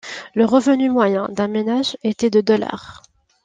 Le revenu moyen d'un ménage était de dollars.